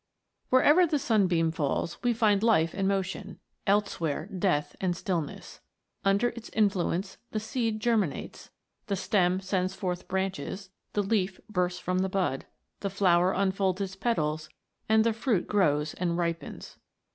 WHEREVER the Sunbeam falls we find life and motion ; elsewhere, death and stillness. Under its influence the seed germinates, the stem sends forth branches, the leaf bursts from the bud, the flower unfolds its petals, and the fruit grows and ripens.